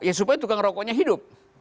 ya supaya tukang rokoknya hidup